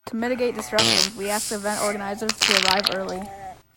To mitigate disruptions, we ask event organizers to arrive early.